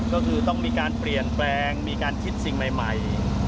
ก็คือต้องมีการเปลี่ยนแปลงมีการคิดสิ่งใหม่